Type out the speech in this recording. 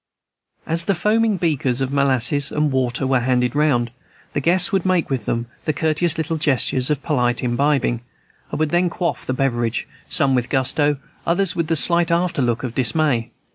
As the foaming beakers of molasses and water were handed round, the guests would make with them the courteous little gestures of polite imbiding, and would then quaff the beverage, some with gusto, others with a slight afterlook of dismay.